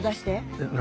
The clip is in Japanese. えっ何？